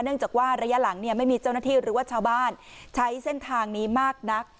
จากว่าระยะหลังเนี่ยไม่มีเจ้าหน้าที่หรือว่าชาวบ้านใช้เส้นทางนี้มากนัก